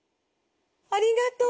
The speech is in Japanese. ありがとう。